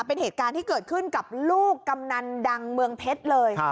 เป็นเหตุการณ์ที่เกิดขึ้นกับลูกกำนันดังเมืองเพชรเลย